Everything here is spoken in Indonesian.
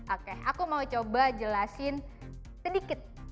oke aku mau coba jelasin sedikit